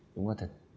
đúng là thật